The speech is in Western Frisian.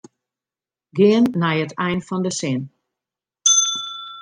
Gean nei it ein fan de sin.